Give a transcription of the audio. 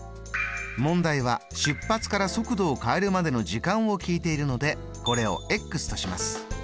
問題は出発から速度を変えるまでの時間を聞いているのでこれをとします。